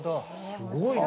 すごいな。